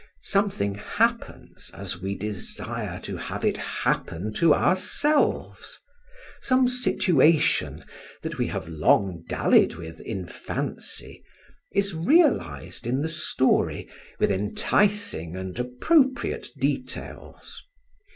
Something happens as we desire to have it happen to ourselves; some situation, that we have long dallied with in fancy, is realised in the story with enticing and appropriate details.